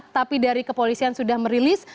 tapi dari kepolisian sudah merilis